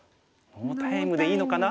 ノータイムでいいのかな？